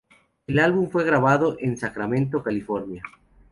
El álbum fue grabado en Sacramento, California.